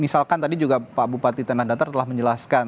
misalkan tadi juga pak bupati tanah datar telah menjelaskan